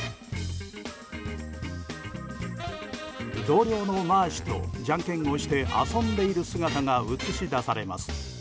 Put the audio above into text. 同僚のマーシュとじゃんけんをして遊んでいる姿が映し出されます。